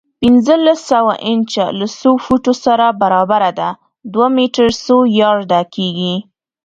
پنځلس سوه انچه له څو فوټو سره برابره ده؟ دوه میټر څو یارډه کېږي؟